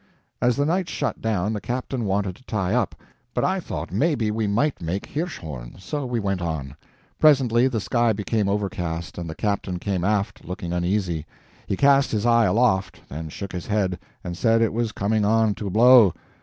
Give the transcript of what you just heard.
As the night shut down, the captain wanted to tie up, but I thought maybe we might make Hirschhorn, so we went on. Presently the sky became overcast, and the captain came aft looking uneasy. He cast his eye aloft, then shook his head, and said it was coming on to blow.